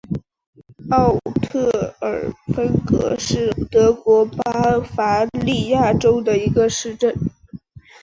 奥特尔芬格是德国巴伐利亚州的一个市镇。